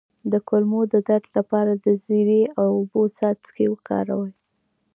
د کولمو د درد لپاره د زیرې او اوبو څاڅکي وکاروئ